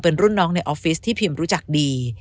เป็นรุ่นน้องในออฟฟิศที่พิมรู้จักดี